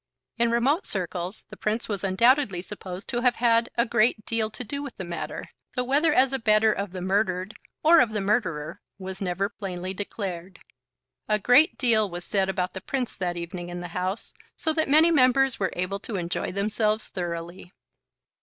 In remote circles the Prince was undoubtedly supposed to have had a great deal to do with the matter, though whether as abettor of the murdered or of the murderer was never plainly declared. A great deal was said about the Prince that evening in the House, so that many members were able to enjoy themselves thoroughly.